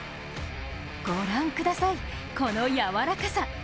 御覧ください、このやわらかさ。